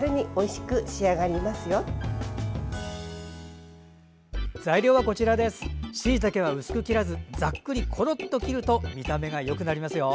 しいたけは、薄く切らずざっくりころっと切ると見た目がよくなりますよ。